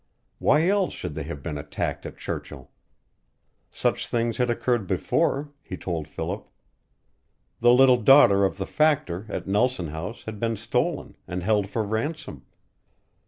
Why else should they have been attacked at Churchill? Such things had occurred before, he told Philip. The little daughter of the factor at Nelson House had been stolen, and held for ransom.